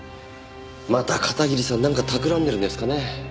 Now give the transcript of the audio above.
また片桐さんなんか企んでるんですかね？